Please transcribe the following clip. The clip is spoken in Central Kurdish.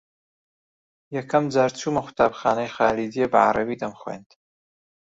یەکەم جار چوومە قوتابخانەی خالیدیە بە عەرەبی دەمخوێند